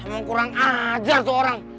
emang kurang ajar tuh orang